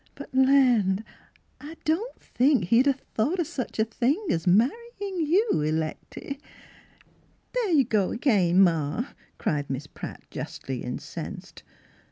" But land ! I don't think he'd a thought o' such a thing as marryin' you, Lecty." " There you go again, ma," cried Miss Pratt, justly incensed.